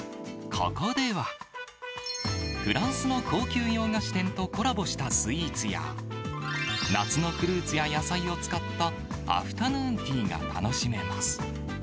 ここでは、フランスの高級洋菓子店とコラボしたスイーツや夏のフルーツや野菜を使ったアフタヌーンティーが楽しめます。